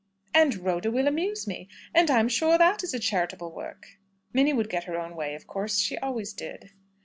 "And Rhoda will amuse me, and I'm sure that is a charitable work!" Minnie would get her own way, of course. She always did.